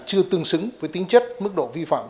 chưa tương xứng với tính chất mức độ vi phạm